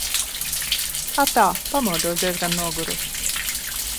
Atā! Pamodos diezgan nogurusi.